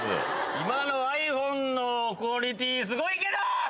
今のｉＰｈｏｎｅのクオリティー、すごいけど！